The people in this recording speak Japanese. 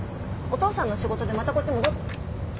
お父さんの仕事でまたこっち戻っ。